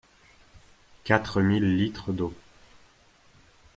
Quatre mille litres d’eau.